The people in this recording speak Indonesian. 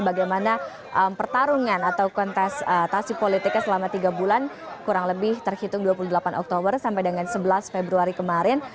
bagaimana pertarungan atau kontestasi politiknya selama tiga bulan kurang lebih terhitung dua puluh delapan oktober sampai dengan sebelas februari kemarin